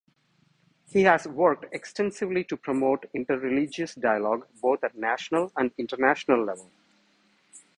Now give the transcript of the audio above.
He has worked extensively to promote interreligious dialogue both at national and international level.